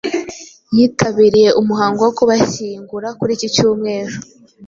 yitabiriye umuhango wo kubashyingura kuri iki cyumweru.